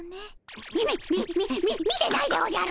みみっみみみ見てないでおじゃる。